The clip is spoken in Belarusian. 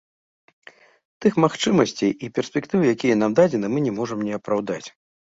Тых магчымасцей і перспектыў, якія нам дадзены, мы не можам не апраўдаць.